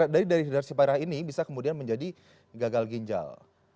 dari dehidrasi parah ini bisa kemudian menjadi gagal ginjal